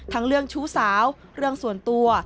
เรื่องชู้สาวเรื่องส่วนตัว